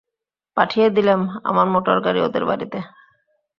পাঠিয়ে দিলেম আমার মোটরগাড়ি ওদের বাড়িতে।